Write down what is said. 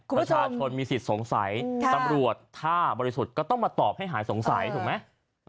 ประชาชนมีสิทธิ์สงสัยตำรวจถ้าบริสุทธิ์ก็ต้องมาตอบให้หายสงสัยถูกไหม